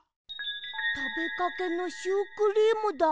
たべかけのシュークリームだ。